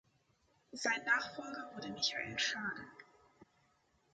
Sein Nachfolger wurde Michael Schade.